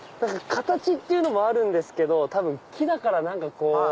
形っていうのもあるんですけど多分木だから何かこう。